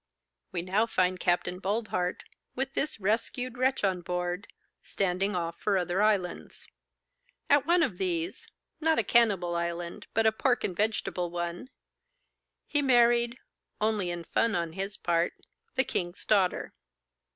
We now find Capt. Boldheart, with this rescued wretch on board, standing off for other islands. At one of these, not a cannibal island, but a pork and vegetable one, he married (only in fun on his part) the king's daughter.